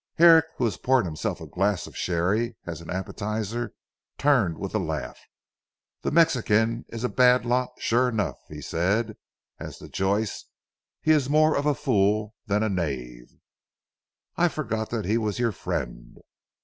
Herrick, who was pouring himself a glass of sherry as an appetizer turned with a laugh. "The Mexican is a bad lot sure enough," he said. "As to Joyce he is more of a fool than a knave." "I forgot that he was your friend."